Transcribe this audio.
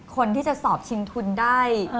คนที่จะสอบชิงทุนได้